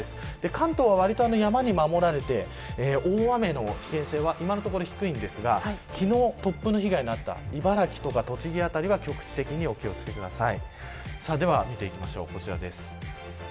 関東はわりと山に守られて大雨の危険性は今のところ低いんですが昨日、突風の被害のあった茨城とか栃木辺りは局地的にお気を付けください。